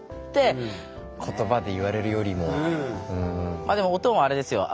まあでもオトンあれですよ。